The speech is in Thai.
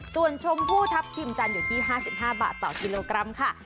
ส่วนชมพู่ทัพทิมจันทร์อยู่ที่๕๕บาทต่อกิโลกรัมค่ะ